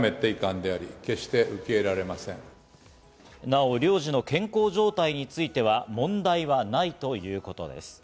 なお、領事の健康状態については問題はないということです。